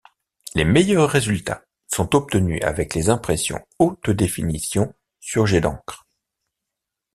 Les meilleurs résultats sont obtenus avec les impressions haute définition sur jet d'encre.